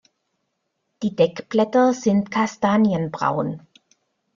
Die Deckblätter sind kastanienbraun.